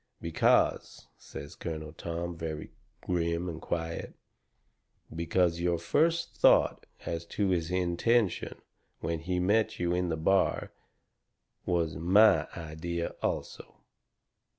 "Because," says Colonel Tom, very grim and quiet, "because your first thought as to his intention when he met you in the bar was MY idea also.